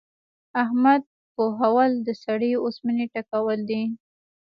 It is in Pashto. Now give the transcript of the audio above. احمد پوهول؛ د سړې اوسپنې ټکول دي.